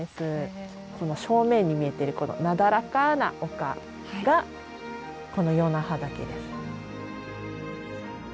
この正面に見えてるこのなだらかな丘がこの与那覇岳です。